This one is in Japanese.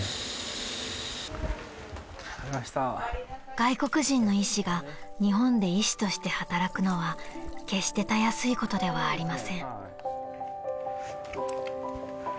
［外国人の医師が日本で医師として働くのは決してたやすいことではありません］